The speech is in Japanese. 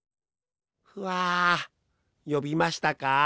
ふあよびましたか？